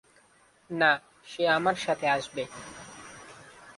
না, সে আমার সাথে আসবে।